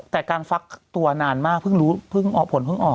แต่การฟักตัวนานมากเพิ่งรู้ผลเพิ่งออก